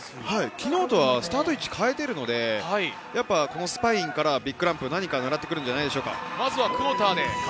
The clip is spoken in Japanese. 昨日とスタート位置を変えているので、スパインからビッグランプに何か来るのじゃないでしょうか。